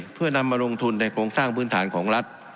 เพื่อนำมาลงทุนในโครงสร้างพื้นฐานของรัฐ